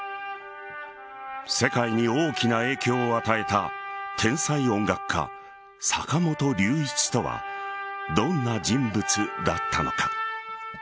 世界に大きな影響を与えた天才音楽家・坂本龍一とはどんな人物だったのか。